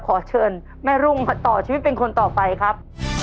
ขอเชิญแม่รุ่งมาต่อชีวิตเป็นคนต่อไปครับ